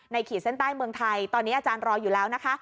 ขีดเส้นใต้เมืองไทยตอนนี้อาจารย์รออยู่แล้วนะคะ